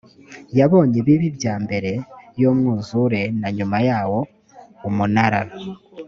yabonye ibibi bya mbere y umwuzure na nyuma yawo umunara